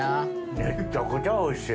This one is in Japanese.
めっちゃくちゃおいしい。